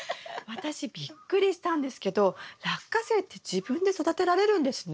私びっくりしたんですけどラッカセイって自分で育てられるんですね。